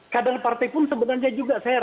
kader partai pun sebenarnya juga tidak ada